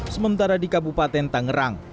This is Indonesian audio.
sementara di kabupaten tangerang